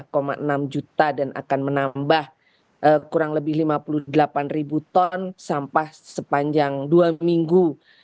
enam juta dan akan menambah kurang lebih lima puluh delapan ribu ton sampah sepanjang dua minggu